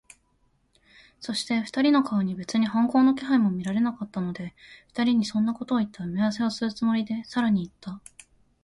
そして、二人の顔に別に反抗の気配も見られなかったので、二人にそんなことをいった埋合せをするつもりで、さらにいった。